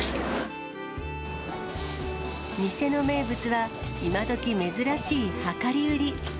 店の名物は、今どき珍しい量り売り。